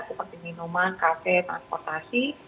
seperti minuman kafe transportasi